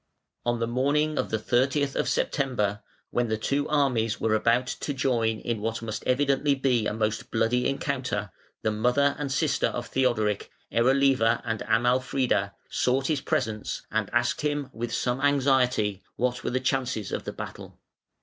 On the morning of the 30th of September, when the two armies were about to join in what must evidently be a most bloody encounter, the mother and sister of Theodoric, Erelieva and Amalfrida, sought his presence and asked him with some anxiety what were the chances of the battle.